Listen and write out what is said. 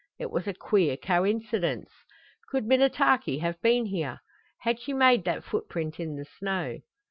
It was a queer coincidence! Could Minnetaki have been here? Had she made that footprint in the snow?